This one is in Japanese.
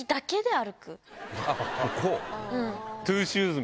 こう。